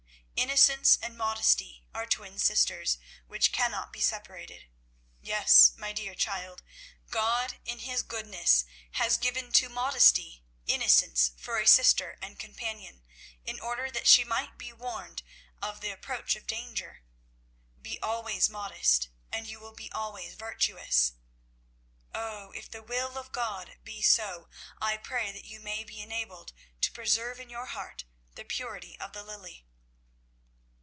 Innocence and modesty are twin sisters, which cannot be separated. Yes, my dear child, God in His goodness has given to modesty, innocence for a sister and companion, in order that she might be warned of the approach of danger. Be always modest, and you will be always virtuous. Oh, if the will of God be so, I pray that you may be enabled to preserve in your heart the purity of the lily!"